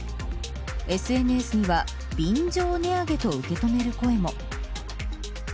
ＳＮＳには便乗値上げと受け止める声も。